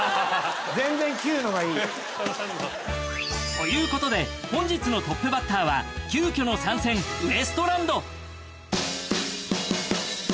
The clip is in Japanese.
ということで本日のトップバッターは急きょの参戦ウエストランド。